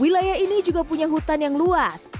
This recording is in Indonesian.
wilayah ini juga punya hutan yang luas